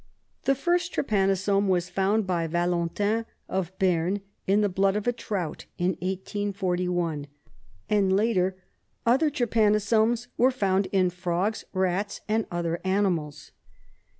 The first trypanosome was found by Valentin, of Berne, in the blood of a trout in 1841, and, later, other trypano somes were found in frogs, rats, and other animals.